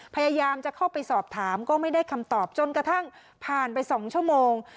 พยายามจะเข้าไปสอบถามก็ไม่ได้คำตอบจนกระทั่งผ่านไป๒ชั่วโมง